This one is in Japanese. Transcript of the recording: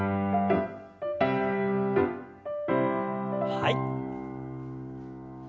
はい。